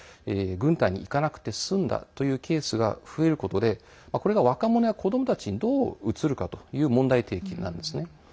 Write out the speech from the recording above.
軍隊に行かなくて済んだというケースが増えることでこれが若者や子どもたちにどう映るかという問題提起なんですね。